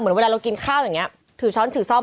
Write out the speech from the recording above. เวลาเรากินข้าวอย่างนี้ถือช้อนถือซ่อม